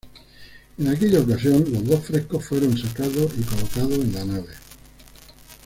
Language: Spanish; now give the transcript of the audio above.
En aquella ocasión los dos frescos fueron sacados y colocados en la nave.